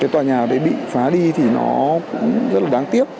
tòa nhà đấy bị phá đi thì nó cũng rất là đáng tiếc